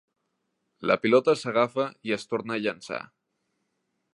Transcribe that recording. La pilota s'agafa i es torna a llançar.